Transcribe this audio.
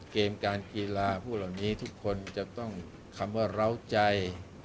เกมการกีฬาพวกเหล่านี้ทุกคนจะต้องคำว่าเล้าใจ